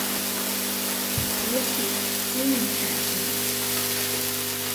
主体居民傣族。